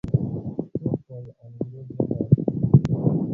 څوک وايي انګريز وګاټه.